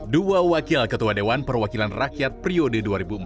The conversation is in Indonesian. dua wakil ketua dewan perwakilan rakyat periode dua ribu empat belas dua ribu dua